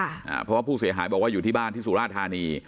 เพราะว่าผู้เสียหายบอกว่าอยู่ที่บ้านที่สุราธานี